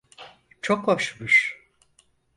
Çok hoşmuş.